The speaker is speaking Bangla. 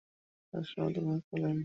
বিনয়কে তিনি আশ্রয়ের মতো অনুভব করিলেন।